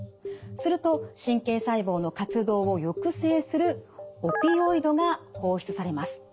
すると神経細胞の活動を抑制するオピオイドが放出されます。